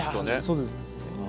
そうですね。